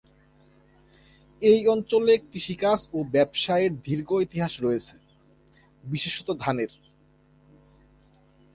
এই অঞ্চলে কৃষিকাজ ও ব্যবসায়ের দীর্ঘ ইতিহাস রয়েছে, বিশেষত ধানের।